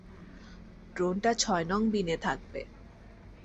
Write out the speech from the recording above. ড্রোনটা ছয় নং বিনে থাকবে।